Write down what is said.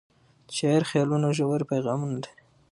د شاعر خیالونه ژور پیغامونه لري.